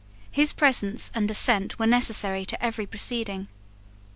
His presence and assent were necessary to every proceeding.